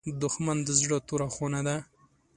دښمن د زړه توره خونه ده